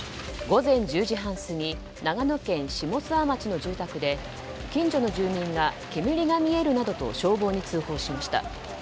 午前１０時半過ぎ長野県下諏訪町の住宅で近所の住民が、煙が見えるなどと消防に通報しました。